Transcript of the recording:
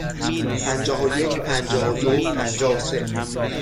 پنجاه و یک، پنجاه و دو، پنجاه و سه.